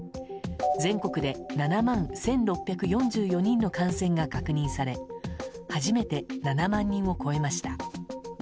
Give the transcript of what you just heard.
全国で７万１６４４人の感染が確認され初めて７万人を超えました。